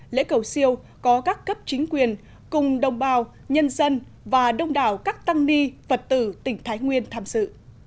lễ cầu siêu có các cấp chính quyền cùng đồng bào nhân dân và đông đảo các tăng ni phật tử tỉnh thái nguyên tham sự